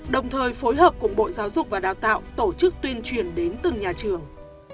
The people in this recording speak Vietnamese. đồng thời phối hợp cùng bộ giáo dục và đào tạo tổ chức tuyên truyền đến từng nhà trường